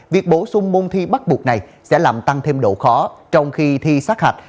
việc bổ sung môn thi bắt buộc này sẽ làm tăng thêm độ khó trong khi thi sát hạch